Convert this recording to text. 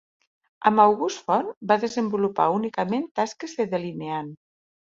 Amb August Font va desenvolupar únicament tasques de delineant.